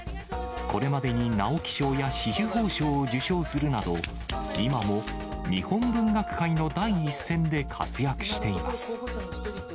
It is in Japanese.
これまでに直木賞や紫綬褒章を受章するなど、今も日本文学界の第一線で活躍しています。